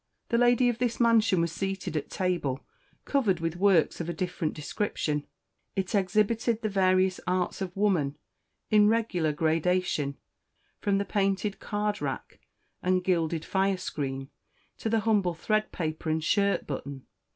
The lady of this mansion was seated at table covered with works of a different description: it exhibited the various arts of woman, in regular gradation, from the painted card rack and gilded firescreen, to the humble thread paper and shirt button.